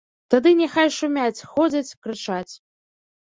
Тады няхай шумяць, ходзяць, крычаць.